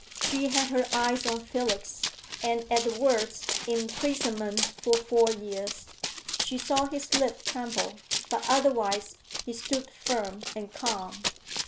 She had her eyes on Felix, and at the words, "Imprisonment for four years," she saw his lip tremble. But otherwise he stood firm and calm.